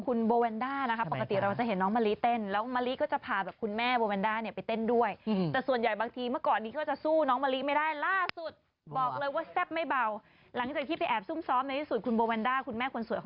เกินไปกับการรอคอยป๊อปมาแสดงกี่ทุ่มก็ดึก